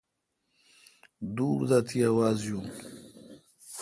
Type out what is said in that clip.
دور دا تی آواز یون۔